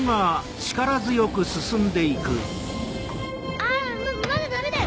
あっまだダメだよ！